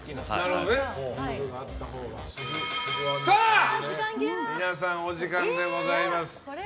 さあ、皆さんお時間でございます。